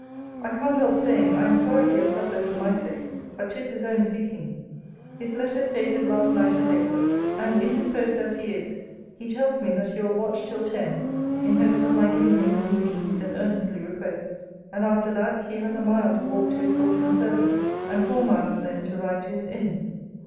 I can't help saying, I am sorry he has suffered for my sake; but 'tis his own seeking. His letter is dated last night at eight: 'And, indisposed as he is, he tells me that he will watch till ten, in hopes of my giving him the meeting he so earnestly request. And after that, he has a mile to walk to his horse and servant; and four miles then to ride to his inn.'